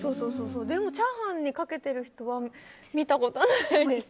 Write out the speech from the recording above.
でもチャーハンにかけている人は見たことないです。